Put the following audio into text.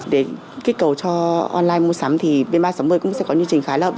để kích cầu cho online mua sắm thì bên ba một mươi cũng sẽ có như trình khái lợm